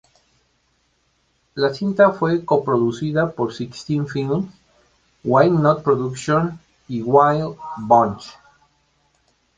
La cinta fue coproducida por Sixteen Films, Why Not Productions y Wild Bunch.